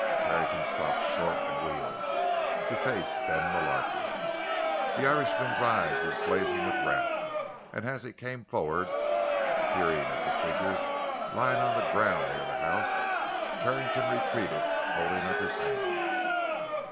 Carrington stopped short and wheeled, to face Ben Mullarky. The Irishman's eyes were blazing with wrath, and as he came forward, peering at the figures lying on the ground near the house, Carrington retreated, holding up his hands.